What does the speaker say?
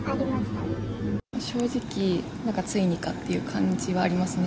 正直、なんかついにかっていう感じはありますね。